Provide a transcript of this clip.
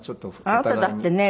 あなただってね